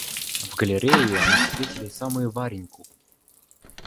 В галлерее они встретили и самую Вареньку.